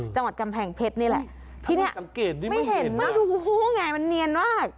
จังหวัดกำแผงเพชรนี่แหละที่เนี่ยไม่เห็นมากมันเหนียนมาก